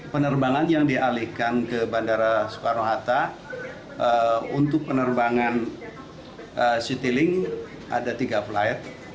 penerbangan yang dialihkan ke bandara soekarno hatta untuk penerbangan citylink ada tiga flight